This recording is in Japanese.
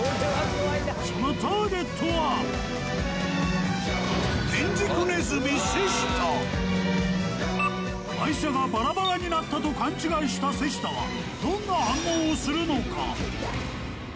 その愛車がバラバラになったと勘違いした瀬下はどんな反応をするのか？